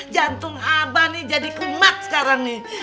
jantung abah nih jadi kumat sekarang nih